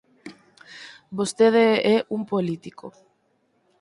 Vostede é un político.